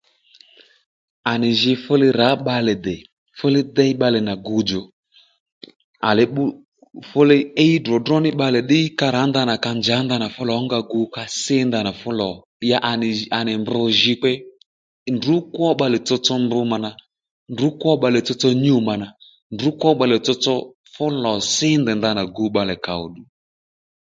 À nì jǐ fúli rǎ bbalè dè fúli déy bbalè nà guwdjò à le fúli íy dròdró ní bbalè ddi ka rǎ ndanà ka njǎ ndanà fú lò ónga gu ka sí ndanà fú lò ya à ni à nì mb jǐ kpe ndrǔ kwo bbalè tsotso mb mà nà ndrǔ kwó bbalè tsotso nyû mà nà ndrǔ kwó bbalè tsotso fú lò sí ndèy ndanà gu bbalè kàó ddù